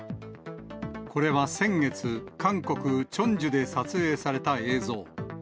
これは先月、韓国・チョンジュで撮影された映像。